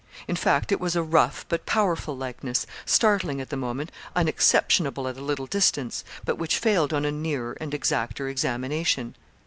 In fact, it was a rough, but powerful likeness startling at the moment unexceptionable at a little distance but which failed on a nearer and exacter examination.